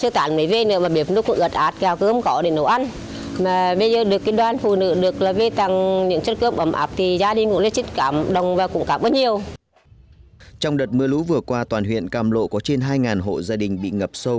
trong đợt mưa lũ vừa qua toàn huyện cam lậu có trên hai hộ gia đình bị ngập sâu